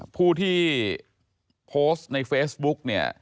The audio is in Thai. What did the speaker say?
ผู้ที่โพสต์ในเฟซบุ๊ก